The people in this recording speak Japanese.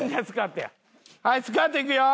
はいスクワットいくよ。